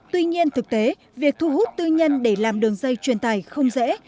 tuy nhiên thực tế việc thu hút tư nhân để làm đường dây truyền tài không dễ